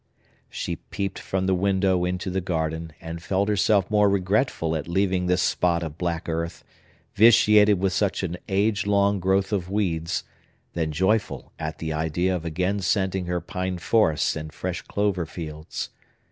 She peeped from the window into the garden, and felt herself more regretful at leaving this spot of black earth, vitiated with such an age long growth of weeds, than joyful at the idea of again scenting her pine forests and fresh clover fields.